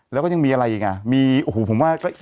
แล้วก็ยังมีอะไรอีกมีอู้หู้มีใกล้ทุด